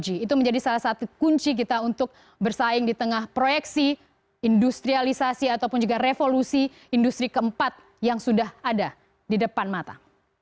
itu menjadi salah satu kunci kita untuk bersaing di tengah proyeksi industrialisasi ataupun juga revolusi industri keempat yang sudah ada di depan mata